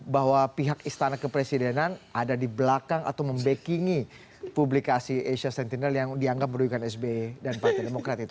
bahwa pihak istana kepresidenan ada di belakang atau membackingi publikasi asia sentinel yang dianggap merugikan sby dan partai demokrat itu